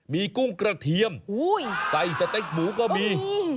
มีกุ้งกระเทียมใส่สเต็กหมูก็มี